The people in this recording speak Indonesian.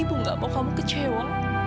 ibu gak mau kamu kecewa